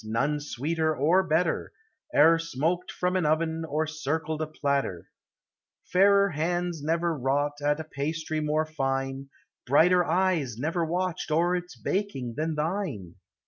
— none sweeter or better E'er smoked from an oven or circled a platter! 272 POEMS OF NATURE. Fairer hands never wrought at a pastry more fine, Brighter eyes never watched o'er its baking, than thine